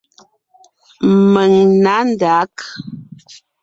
Mèŋ nǎ ndǎg.